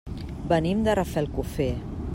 Venim de Rafelcofer.